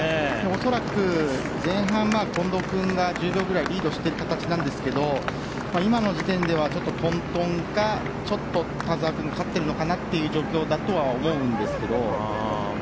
恐らく、前半、近藤君が１０秒くらいリードしている形なんですが今の時点ではとんとんかちょっと田澤が勝ってるぐらいかと思うんですけど。